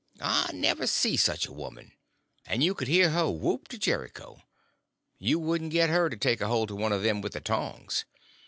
I never see such a woman. And you could hear her whoop to Jericho. You couldn't get her to take a holt of one of them with the tongs.